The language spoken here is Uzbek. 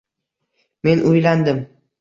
Men uylandim